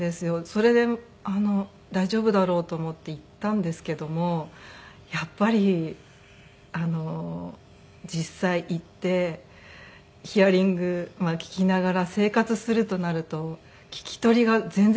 それで大丈夫だろうと思って行ったんですけどもやっぱり実際行ってヒアリング聞きながら生活するとなると聞き取りが全然できなくて。